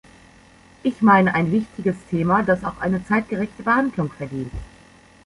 Ich meine, ein wichtiges Thema, das auch eine zeitgerechte Behandlung verdient.